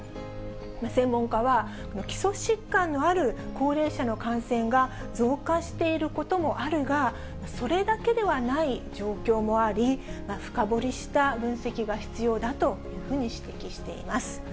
専門家は、基礎疾患のある高齢者の感染が増加していることもあるが、それだけではない状況もあり、深掘りした分析が必要だというふうに指摘しています。